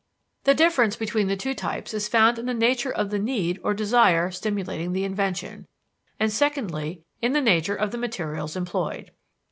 The difference between the two types is found in the nature of the need or desire stimulating the invention, and secondly in the nature of the materials employed.